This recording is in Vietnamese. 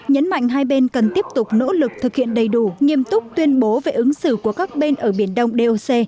nhấn mạnh hai bên cần tiếp tục nỗ lực thực hiện đầy đủ nghiêm túc tuyên bố về ứng xử của các bên ở biển đông doc